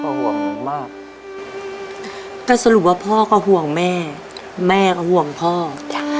ก็ห่วงมากก็สรุปว่าพ่อก็ห่วงแม่แม่ก็ห่วงพ่อจ้ะ